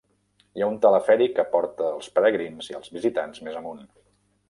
Hi ha un telefèric que porta els peregrins i els visitants més amunt.